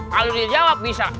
kalau dia jawab bisa out